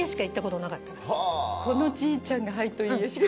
このちーちゃんが「はい」と「いいえ」しか。